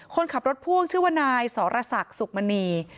คนขับรถพ่วงชื่อว่านายสรศักดิ์สุขมณี